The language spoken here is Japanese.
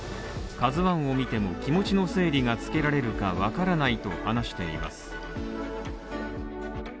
「ＫＡＺＵ１」を見ても気持ちの整理がつけられるかわからないと話しています。